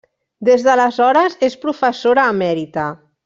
Des d'aleshores és professora emèrita.